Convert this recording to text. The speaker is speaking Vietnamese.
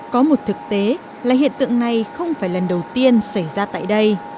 có một thực tế là hiện tượng này không phải lần đầu tiên xảy ra tại đây